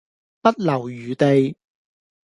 不留餘地